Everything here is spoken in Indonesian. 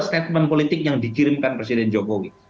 statement politik yang dikirimkan presiden jokowi